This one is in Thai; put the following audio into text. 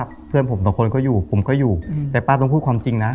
เพื่อนผมสองคนก็อยู่ผมก็อยู่แต่ป้าต้องพูดความจริงนะ